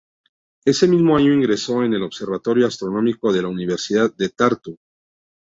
Ese mismo año ingresó en el Observatorio Astronómico de la Universidad de Tartu.